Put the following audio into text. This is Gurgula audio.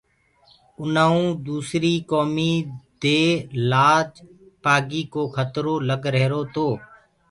اُنآئونٚ دوٚسريٚ ڪوُميٚ دي لآج پآگي ڪو کتررو لَگ ريهرو تو۔